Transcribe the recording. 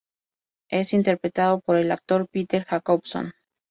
Es interpretado por el actor Peter Jacobson.